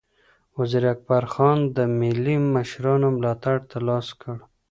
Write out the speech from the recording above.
وزیر اکبرخان د ملي مشرانو ملاتړ ترلاسه کړ.